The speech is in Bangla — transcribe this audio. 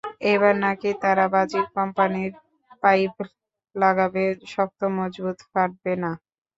এবার নাকি তারা বাজি কোম্পানির পাইপ লাগাবে, শক্ত, মজবুত, ফাটবে না।